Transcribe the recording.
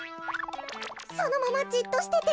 そのままじっとしてて。